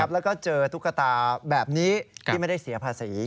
แล้วก็เจอตุ๊กตาแบบนี้ที่ไม่ได้เสียภาษี